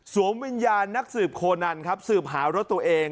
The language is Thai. วิญญาณนักสืบโคนันครับสืบหารถตัวเอง